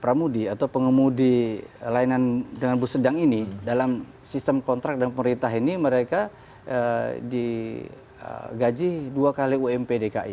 pramudi atau pengemudi layanan dengan bus sedang ini dalam sistem kontrak dan pemerintah ini mereka digaji dua kali ump dki